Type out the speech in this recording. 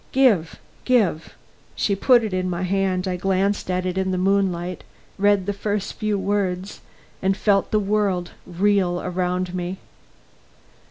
"Give give " She put it in my hand. I glanced at it in the moonlight, read the first few words, and felt the world reel round me.